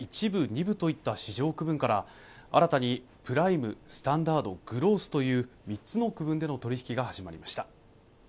１部、２部といった市場区分から新たにプライム、スタンダード、グロースという３つの区分での取引が始まりました